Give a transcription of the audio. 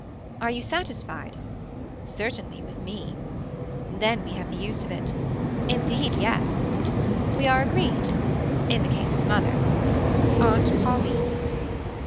Are you satisfied. Certainly with me. Then we have the use of it. Indeed yes. We are agreed. In the case of mothers. Aunt Pauline.